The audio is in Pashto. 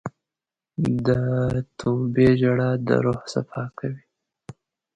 د توبې ژړا د روح صفا کوي.